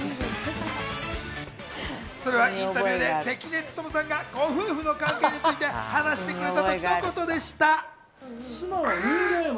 それはインタビューで関根勤さんがご夫婦の関係について話してくれたときのことでした。